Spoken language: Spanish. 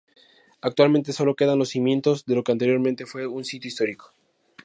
Actualmente solo quedan los cimientos de lo que anteriormente fue un sitio histórico.